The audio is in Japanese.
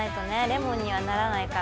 レモンにはならないから。